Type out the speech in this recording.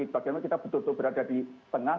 bagaimana kita betul betul berada di tengah